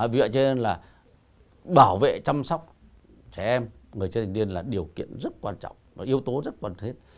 vì vậy cho nên là bảo vệ chăm sóc trẻ em người chưa thành niên là điều kiện rất quan trọng yếu tố rất quan trọng